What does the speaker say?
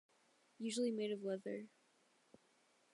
Usually made of leather.